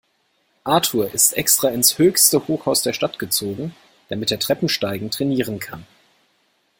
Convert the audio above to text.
Arthur ist extra ins höchste Hochhaus der Stadt gezogen, damit er Treppensteigen trainieren kann.